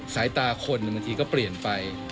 สายตาคนบางทีก็เปลี่ยนไป